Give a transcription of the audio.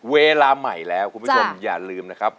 เวลาใหม่แล้วคุณผู้ชมอย่าลืมนะครับ